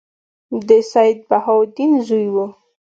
د سیدبهاءالدین زوی وو.